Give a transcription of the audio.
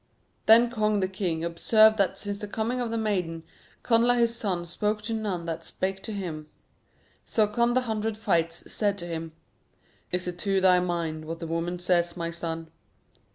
Then Conn the king observed that since the coming of the maiden Connla his son spoke to none that spake to him. So Conn of the Hundred Fights said to him, "Is it to thy mind what the woman says, my son?"